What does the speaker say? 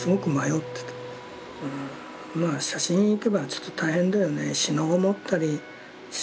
まあ写真に行けばちょっと大変だよね。